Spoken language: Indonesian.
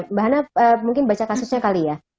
mbak hana mungkin baca kasusnya kali ya